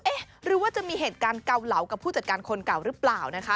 หรือว่าจะมีเหตุการณ์เกาเหลากับผู้จัดการคนเก่าหรือเปล่านะคะ